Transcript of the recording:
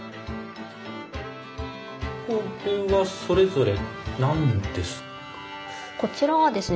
これはそれぞれ何ですか？